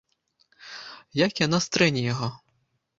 Як яна стрэне яго?